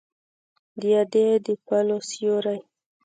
د ادې د پلو سیوری